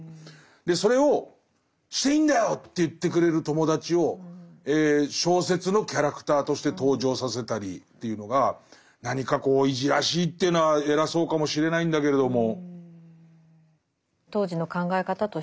それをしていいんだよと言ってくれる友達を小説のキャラクターとして登場させたりというのが何かこういじらしいっていうのは偉そうかもしれないんだけれども。